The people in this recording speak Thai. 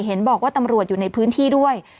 เห็นบอกว่าตำรวจอยู่ในพื้นที่ด้วย